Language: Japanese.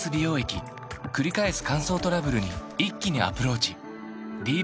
くり返す乾燥トラブルに一気にアプローチ